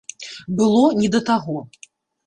Было не да таго.